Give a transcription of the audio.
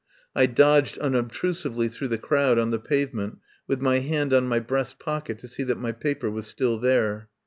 I dodged unobtrusively through the crowd on the pavement, with my hand on my breast pocket to see that my paper was still there.